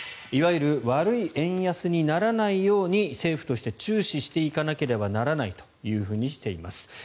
いわゆる悪い円安にならないように政府として注視していかなければならないとしています。